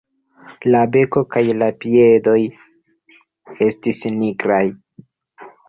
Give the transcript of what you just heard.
La beko kaj la piedoj estis nigraj.